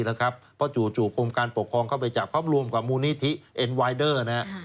เพราะจู่โครงการปกครองเข้าไปจับพร้อมรวมกับมูลนิธิเอ็นไวเดอร์